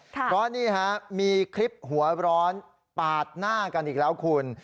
เพราะนี่ฮะมีคลิปหัวร้อนปาดหน้ากันอีกแล้วคุณ